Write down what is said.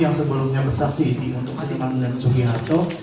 yang sebelumnya bersaksi di jerman dan subianto